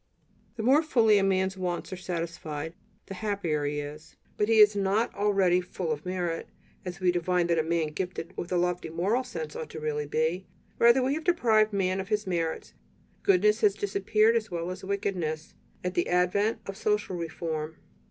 The more fully a man's wants are satisfied, the happier he is; but he is not already "full of merit," as we divine that a man gifted with a lofty moral sense ought really to be. Rather have we deprived man of his merits; "goodness" has disappeared as well as "wickedness" at the advent of social reform.